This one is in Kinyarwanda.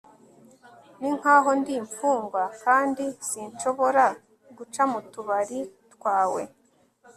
ninkaho ndi imfungwa kandi sinshobora guca mu tubari twawe